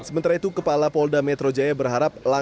sementara itu kepala polda metro jaya berharap